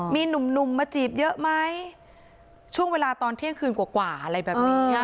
มีหนุ่มหนุ่มมาจีบเยอะไหมช่วงเวลาตอนเที่ยงคืนกว่ากว่าอะไรแบบนี้